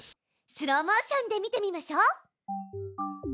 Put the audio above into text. スローモーションで見てみましょう。